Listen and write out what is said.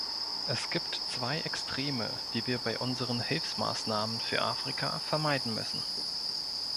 Es gibt zwei Extreme, die wir bei unseren Hilfsmaßnahmen für Afrika vermeiden müssen.